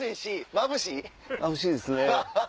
まぶしいですね。